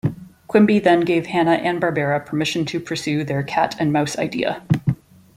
Quimby then gave Hanna and Barbera permission to pursue their cat-and-mouse idea.